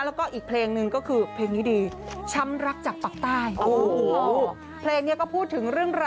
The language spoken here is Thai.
แล้วก็อีกเพลงหนึ่งก็คือเพลงนี้ดี